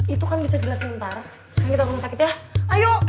itu kan bisa jelasin ntar sekarang kita ke rumah sakit ya ayo